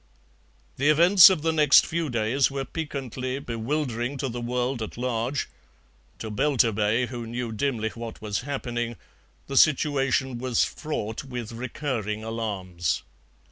The events of the next few days were piquantly bewildering to the world at large; to Belturbet, who knew dimly what was happening, the situation was fraught with recurring alarms.